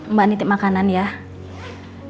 nanti kamu mau ke jakarta kan